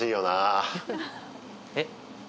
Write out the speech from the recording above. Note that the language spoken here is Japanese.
えっ？